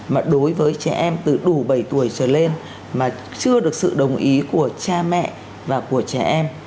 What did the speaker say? mà đối với trẻ em từ đủ bảy tuổi trở lên mà chưa được sự đồng ý của cha mẹ và của trẻ em